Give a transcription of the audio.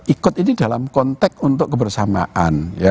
ikut ini dalam konteks untuk kebersamaan